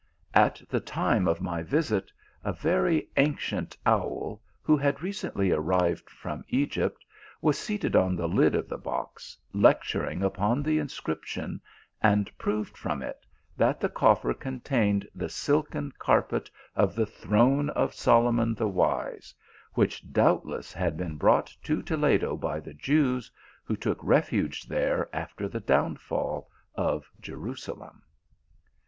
At the time of my visit, a very ancient owl. who had recently arrived from Egypt, was seated on the lid of the box lecturing upon the inscription, and proved from it, that the coffer contained the silken carpet of the throne of Solomon the wise : which doubtless had been brought to Toledo by the Jews, who took refuge there after the downfall of Jerusalem."